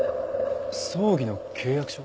葬儀の契約書？